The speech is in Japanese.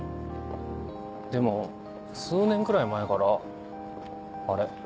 でも数年くらい前から「あれ？